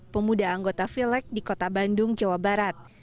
pemirsa jawa barat